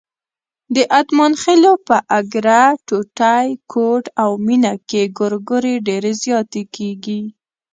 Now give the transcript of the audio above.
د اتمانخېلو په اګره، ټوټی، کوټ او مېنه کې ګورګورې ډېرې زیاتې کېږي.